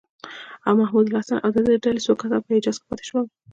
او محمودالحسن او د ده د ډلې څو کسان په حجاز کې پاتې شول.